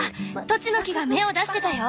トチノキが芽を出してたよ！